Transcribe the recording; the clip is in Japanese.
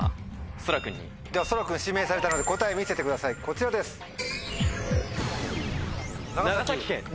ではそら君指名されたので答え見せてくださいこちらです。